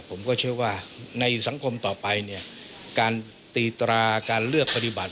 ผมก็เชื่อว่าในสังคมต่อไปเนี่ยการตีตราการเลือกปฏิบัติ